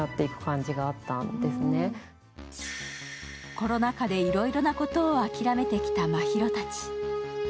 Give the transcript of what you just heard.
コロナ禍でいろいろなことを諦めてきた真宙たち。